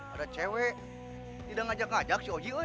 hei ada cewek tidak ngajak ngajak si oji weh